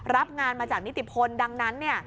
รับงานมาจากนิติพลดังนั้นเนี่ย